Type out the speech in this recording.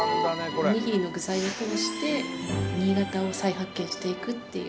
おにぎりの具材を通して新潟を再発見していくっていう。